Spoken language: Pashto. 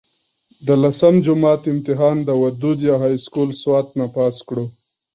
د لسم جمات امتحان د ودوديه هائي سکول سوات نه پاس کړو